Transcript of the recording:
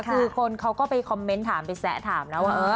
คือคนเขาก็ไปคอมเมนต์ถามไปแซะถามนะว่า